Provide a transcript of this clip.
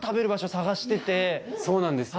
そうなんです